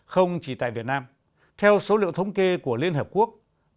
không chỉ tại việt nam theo số liệu thống kê của liên hợp quốc